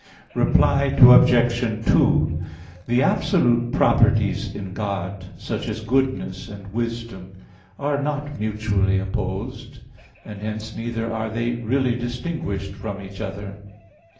Reply Obj. 2: The absolute properties in God, such as goodness and wisdom, are not mutually opposed; and hence, neither are they really distinguished from each other.